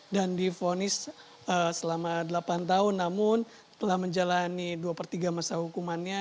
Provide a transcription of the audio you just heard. dan difonis selama delapan tahun namun telah menjalani dua per tiga masa hukumannya